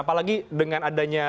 apalagi dengan adanya